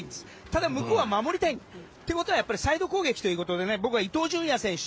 ただ、向こうは守りたい。ということはサイド攻撃ということで僕は伊東純也選手